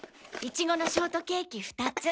苺のショートケーキ２つ！